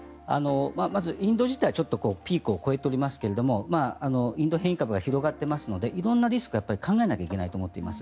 まず、インド自体ピークは越えていますがインド変異株が広がっていますので色んなリスクは考えないといけないと思っています。